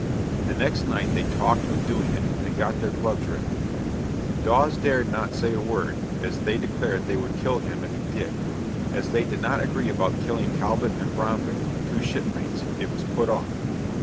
The next night they talked of doing it, and got their clubs ready. Dawes dared not say a word, as they declared they would kill him if he did; as they did not agree about killing Talbot and Brownrigg, two shipmates, it was put off.